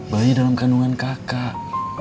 bayi dalam kenungan kakak